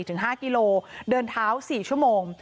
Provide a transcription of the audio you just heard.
กระจ่าวมา๔๕กิโลกรัมเดินเท้า๔ชั่วโมง